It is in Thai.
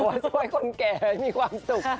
ว่าสวยคนแก่ไม่มีความสุข